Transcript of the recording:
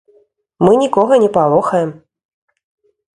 Мы нікога не палохаем.